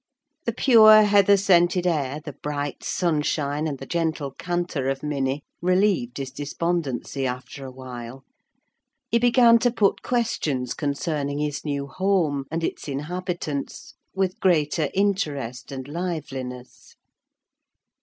The pure heather scented air, the bright sunshine, and the gentle canter of Minny, relieved his despondency after a while. He began to put questions concerning his new home, and its inhabitants, with greater interest and liveliness.